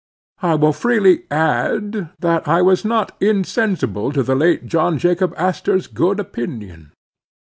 I will freely add, that I was not insensible to the late John Jacob Astor's good opinion.